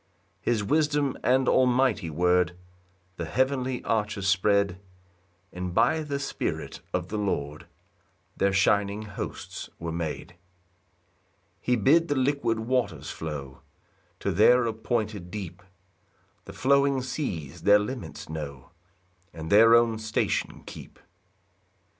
3 His wisdom and almighty word The heavenly arches spread; And by the Spirit of the Lord Their shining hosts were made. 4 He bid the liquid waters flow To their appointed deep; The flowing seas their limits know, And their own station keep.